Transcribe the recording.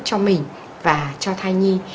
cho mình và cho thai nhi